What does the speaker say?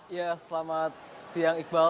ya selamat siang iqbal